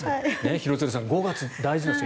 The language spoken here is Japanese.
廣津留さん、５月大事です。